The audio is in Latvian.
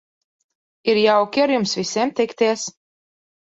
Ir jauki ar jums visiem tikties.